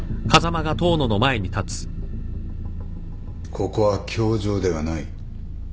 ここは教場ではない。